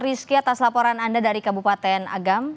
rizky atas laporan anda dari kabupaten agam